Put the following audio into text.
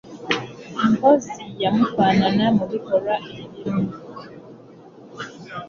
Mpozzi yamufaanana mu bikolwa ebimu.